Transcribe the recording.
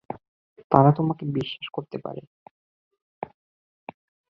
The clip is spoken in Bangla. তারা তোমাকে বিশ্বাস করতে পারে।